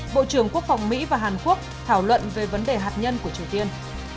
bộ trưởng quốc phòng mỹ và hàn quốc thảo luận về vấn đề hạt nhân của triều tiên